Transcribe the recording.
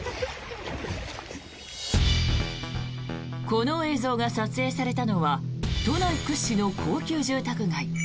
この映像が撮影されたのは都内屈指の高級住宅街